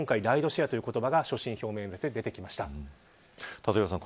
立岩さん